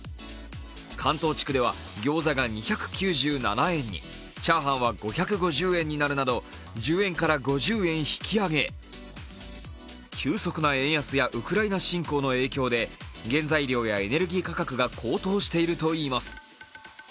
関東地区では餃子が２９７円に、炒飯は５５０円になるなど１０円から５０円引き上げ、急速な円安やウクライナ侵攻での影響で原材料やエネルギー価格が高騰しているということです。